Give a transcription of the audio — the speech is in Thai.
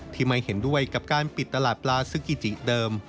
ไม่เห็นด้วยกับการปิดตลาดปลาซึกิเดิม